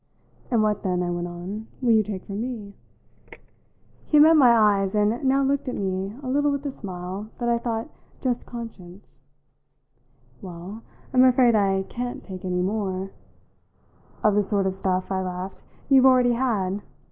"And what then," I went on, "will you take from me?" He had met my eyes, and now looked at me a little with a smile that I thought just conscious. "Well, I'm afraid I can't take any more " "Of the sort of stuff," I laughed, "you've already had?